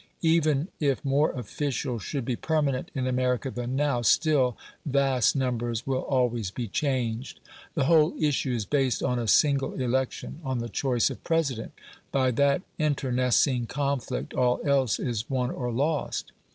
Even if more officials should be permanent in America than now, still, vast numbers will always be changed. The whole issue is based on a single election on the choice of President; by that internecine conflict all else is won or lost.